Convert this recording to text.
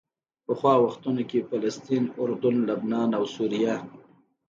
پخوا وختونو کې فلسطین، اردن، لبنان او سوریه.